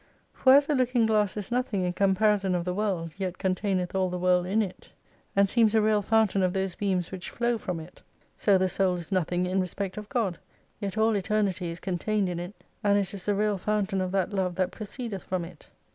For as a looking glass is nothing in comparison of the world, yet containeth all the world in it, and seems a real fountain of those beams which flow from it, so the Soul is nothing in respect of God, yet all Eternity is contained in it, and it is the real fountain of that Love that proceedeth from it.